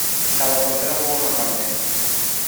Cada portero jugó una parte.